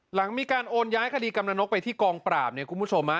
หลังมีการโอนย้ายคดีกำนันนกไปที่กองปราบเนี่ยคุณผู้ชม